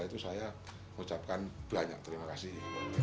itu saya mengucapkan banyak terima kasih